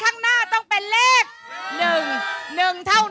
เร็วเร็ว